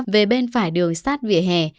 về bên phải đường sát vỉa hè